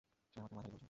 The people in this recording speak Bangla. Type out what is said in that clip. সে আমাকে মাঝারি বলছে।